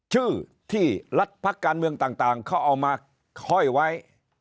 ชื่อที่รัฐพักการเมืองต่างเขาเอามาห้อยไว้